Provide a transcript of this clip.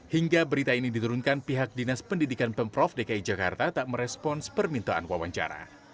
hingga berita ini diturunkan pihak dinas pendidikan pemprov dki jakarta tak merespons permintaan wawancara